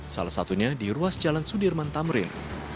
salah satunya di ruas jalan sudirman tamrin